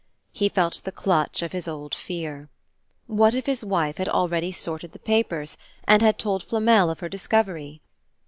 He felt the clutch of his old fear. What if his wife had already sorted the papers and had told Flamel of her discovery?